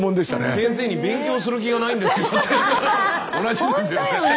先生に「勉強する気がないんですけど」って同じですよね。